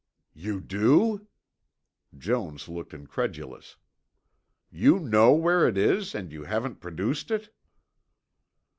"You do?" Jones looked incredulous. "You know where it is and you haven't produced it?"